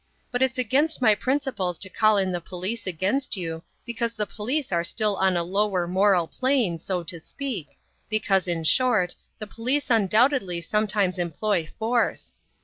But it's against my principles to call in the police against you, because the police are still on a lower moral plane, so to speak, because, in short, the police undoubtedly sometimes employ force.